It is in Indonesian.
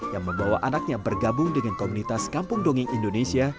yang membawa anaknya bergabung dengan komunitas kampung dongeng indonesia